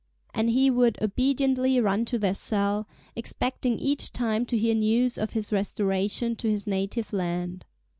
And he would obediently run to their cell, expecting each time to hear news of his restoration to his native land.